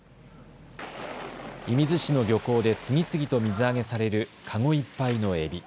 射水市の漁港で次々と水揚げされるかごいっぱいのエビ。